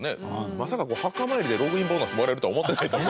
まさか墓参りでログインボーナスもらえるとは思ってない。